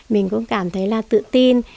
mình cũng cảm thấy là tự tin